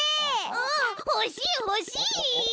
うんほしいほしい！